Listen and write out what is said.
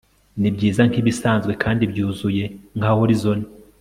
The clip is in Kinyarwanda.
Nibyiza nkibisanzwe kandi byuzuye nka horizon